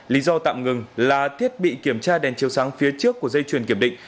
lý do tạm ngưng là thiết bị kiểm tra đèn chiều sáng phía trước của dây chuyền kiểm định